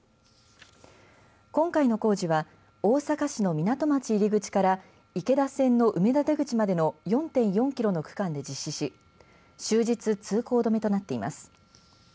今回の工事は大阪市の湊町入口から池田線の梅田出口までの４．４キロの区間で実施し終日、通行止めとなっています。